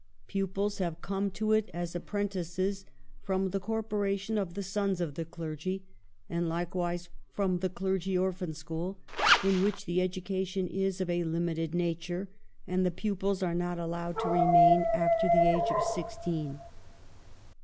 Pupils have come to it as apprentices from the Corporation of the Sons of the Clergy; and likewise from the Clergy Orphan School, in which the education is of a limited nature, and the pupils are not allowed to remain after the age of sixteen.